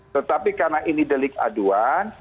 tetapi karena ini delik aduan